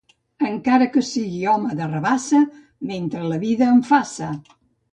Encara que sia home de rabassa, mentre la vida em faça!